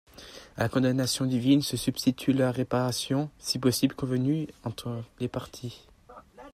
À la condamnation divine se substitue la réparation, si possible convenue entre les parties.